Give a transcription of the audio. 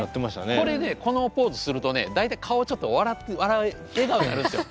これでこのポーズするとね大体顔ちょっと笑って笑顔になるんですよ。